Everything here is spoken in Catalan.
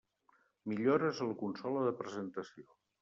Millores en la consola de presentació.